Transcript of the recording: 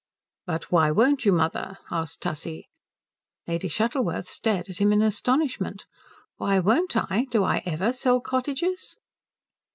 "But why won't you, mother?" asked Tussie. Lady Shuttleworth stared at him in astonishment. "Why won't I? Do I ever sell cottages?"